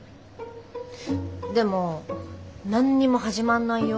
でも何にも始まんないよ。